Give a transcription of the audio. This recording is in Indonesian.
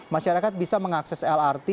masyarakat bisa mengakses lrt